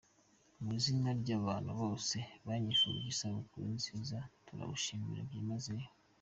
Mu izina ry’abantu bose banyifurije isabukuru nziza turagushimiye byimazeyo.